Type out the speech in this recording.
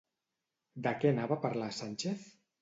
De què anava a parlar Sánchez?